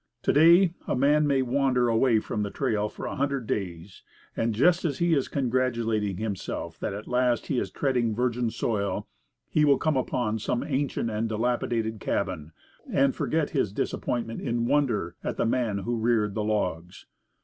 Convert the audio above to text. To day, a man may wander away from the trail for a hundred days, and just as he is congratulating himself that at last he is treading virgin soil, he will come upon some ancient and dilapidated cabin, and forget his disappointment in wonder at the man who reared the logs.